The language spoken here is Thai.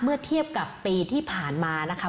เมื่อเทียบกับปีที่ผ่านมานะคะ